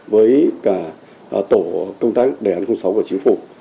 với cả tổ công tác đề án sáu của chính phủ